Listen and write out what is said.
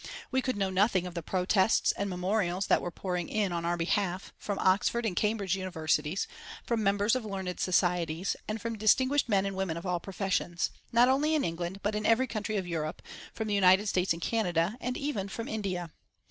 We could know nothing of the protests and memorials that were pouring in, on our behalf, from Oxford and Cambridge Universities, from members of learned societies, and from distinguished men and women of all professions, not only in England but in every country of Europe, from the United States and Canada, and even from India.